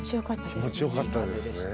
気持ち良かったですね。